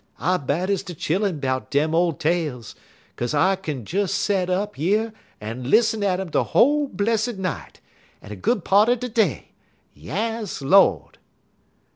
"I'm bad ez de chillun 'bout dem ole tales, 'kaze I kin des set up yer un lissen at um de whole blessid night, un a good part er de day. Yass, Lord!"